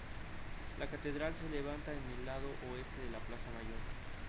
La catedral se levanta en el lado oeste de la Plaza Mayor.